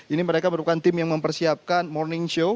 ini mereka merupakan tim yang mempersiapkan morning show